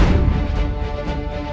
jangan lupa untuk berlangganan